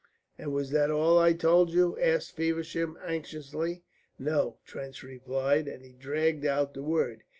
"And was that all I told you?" asked Feversham, anxiously. "No," Trench replied, and he dragged out the word.